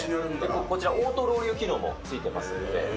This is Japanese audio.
こちら、オートロウリュウ機能もついてますので。